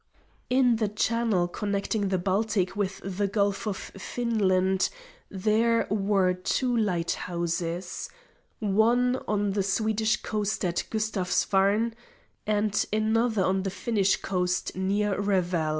In the channel connecting the Baltic with the Gulf of Finland there were two lighthouses one on the Swedish coast at Gustavsvarn, and another on the Finnish coast near Revel.